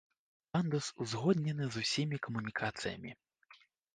Пандус узгоднены з усімі камунікацыямі.